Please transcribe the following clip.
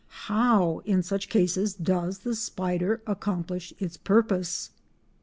How in such cases does the spider accomplish its purpose?